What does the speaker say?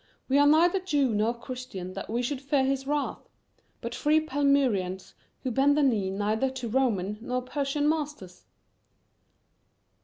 "We are neither Jew nor Christian that we should fear his wrath, but free Palmyreans who bend the knee neither to Roman nor Persian masters."